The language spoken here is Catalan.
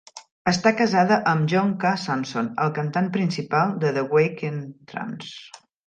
Està casada amb John K. Samson, el cantant principal de The Weakerthans.